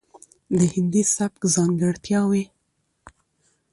،دهندي سبک ځانګړتياوې،